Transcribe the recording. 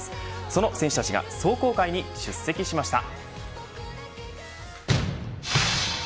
その選手たちが壮行会に出席しました。